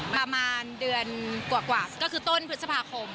ประมาณเดือนกว่าก็คือต้นพฤษภาคม